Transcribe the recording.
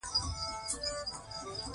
وینو داره وکړه.